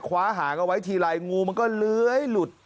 คว้าหางเอาไว้ทีไรงูมันก็เลื้อยหลุด